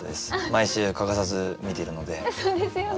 毎週欠かさず見ているので。